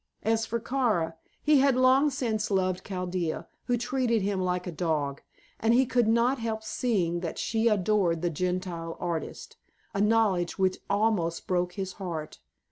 As for Kara, he had long since loved Chaldea, who treated him like a dog, and he could not help seeing that she adored the Gentile artist a knowledge which almost broke his heart.